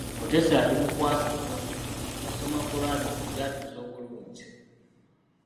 Mutesa yali mukwasi nnyo, yasoma Koraani okugyatuza obulungi.